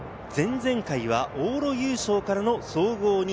前々回は往路優勝からの総合２位。